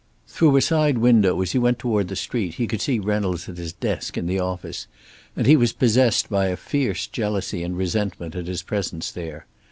Through a side window as he went toward the street he could see Reynolds at his desk in the office, and he was possessed by a fierce jealousy and resentment at his presence there.